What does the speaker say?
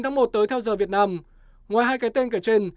đó là guten tag của real madrid